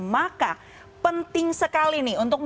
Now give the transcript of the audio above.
maka penting sekali nih